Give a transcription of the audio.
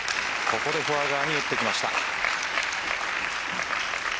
ここでフォア側に打ってきました。